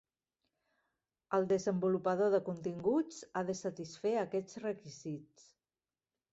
El desenvolupador de continguts ha de satisfer aquests requisits.